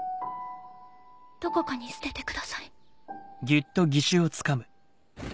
どこかに捨ててください。